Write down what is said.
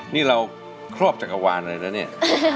นี่เราครอบจักรวาลอะไรนะเนี่ย